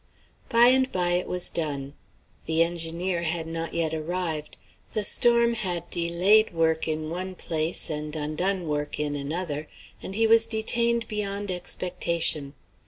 By and by it was done. The engineer had not yet arrived. The storm had delayed work in one place and undone work in another, and he was detained beyond expectation.